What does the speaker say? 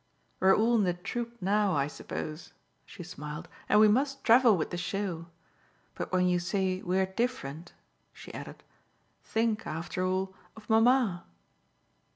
We're all in the troupe now, I suppose," she smiled, "and we must travel with the show. But when you say we're different," she added, "think, after all, of mamma."